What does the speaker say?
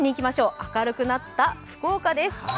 明るくなった福岡です。